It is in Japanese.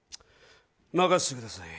任せてください。